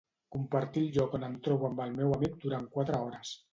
Compartir el lloc on em trobo amb el meu amic durant quatre hores.